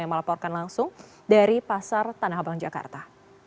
yang melaporkan langsung dari pasar tanah abang jakarta